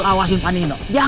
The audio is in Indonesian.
nanti diantarin kesana